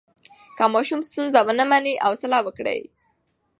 که ماشوم ستونزه ونه مني، حوصله ورکړئ.